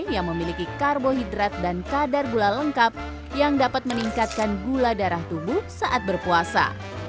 yang memiliki karbohidrat dan kadar gula lengkap yang dapat meningkatkan gula darah tubuh saat berpuasa